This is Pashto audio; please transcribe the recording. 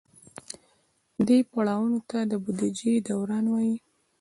دې پړاوونو ته د بودیجې دوران وایي.